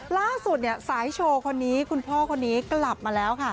ล่าสุดสายโชว์คนนี้คุณพ่อคนนี้กลับมาแล้วค่ะ